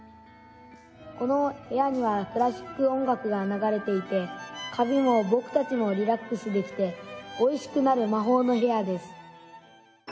「この部屋にはクラシック音楽が流れていてカビも僕たちもリラックスできておいしくなる魔法の部屋です」。